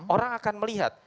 orang akan melihat